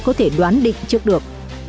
có thể đoán định trước được